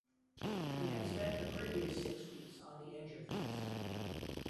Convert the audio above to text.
He had spent the previous six weeks on the injured list.